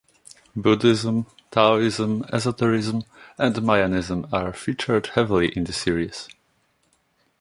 Buddhism, Taoism, Esoterism and Mayanism are featured heavily in the series.